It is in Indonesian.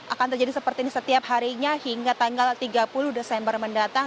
akan terjadi seperti ini setiap harinya hingga tanggal tiga puluh desember mendatang